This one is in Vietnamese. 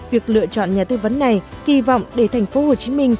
việc lựa chọn nhà tư vấn này kỳ vọng để tp hcm